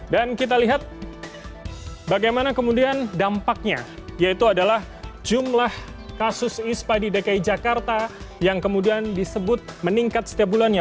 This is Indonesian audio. dan kita lihat bagaimana kemudian dampaknya yaitu adalah jumlah kasus ispa di dki jakarta yang kemudian disebut meningkat setiap bulannya